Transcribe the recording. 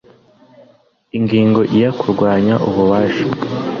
Ingingo ya Kurwanya ububasha